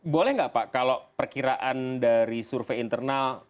boleh nggak pak kalau perkiraan dari survei internal